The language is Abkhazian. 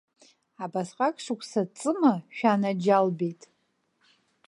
Абасҟак шықәса ҵыма, шәанаџьалбеит!